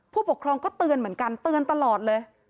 ผู้ปกครองก็เตือนเหมือนกันเตือนตลอดเลย